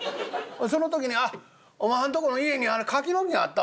その時にあっおまはんとこの家に柿の木があったわ。